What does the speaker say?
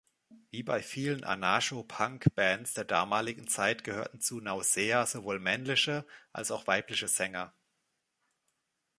Wie bei vielen Anarcho-Punk-Bands der damaligen Zeit gehörten zu Nausea sowohl männliche als auch weibliche Sänger.